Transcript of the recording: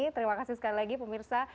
terima kasih sekali lagi pemirsa